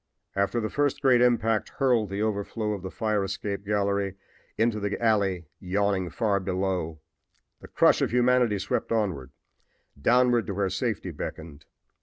After the first great impact had hurled the overflow of the fire escape gallery into the alley yawning far below, the crush of humanity swept onward, downward to where safety beckoned.